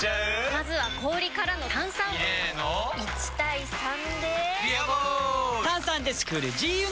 まずは氷からの炭酸！入れの１：３で「ビアボール」！